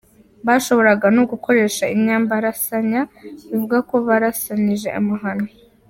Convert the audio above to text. Bashoboraga no gukoresha inyabarasanya bivuga ko barasanyije amahano.